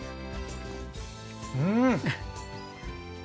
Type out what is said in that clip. うん。